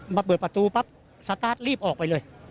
เปิดประตูปั๊บสตาร์ทรีบออกไปเลย